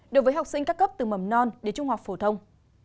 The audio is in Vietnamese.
đối với học sinh các cấp từ mầm non đến trung học phổ thông